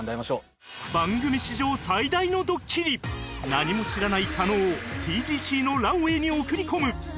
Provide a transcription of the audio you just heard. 何も知らない加納を ＴＧＣ のランウェイに送り込む！